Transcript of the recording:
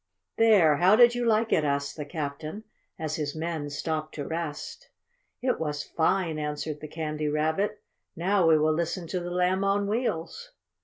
"There, how did you like it?" asked the Captain, as his men stopped to rest. "It was fine!" answered the Candy Rabbit. "Now we will listen to the Lamb on Wheels."